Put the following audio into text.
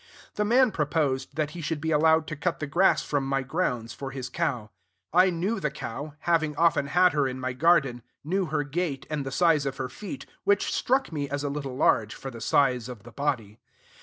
The man proposed that he should be allowed to cut the grass from my grounds for his cow. I knew the cow, having often had her in my garden; knew her gait and the size of her feet, which struck me as a little large for the size of the body.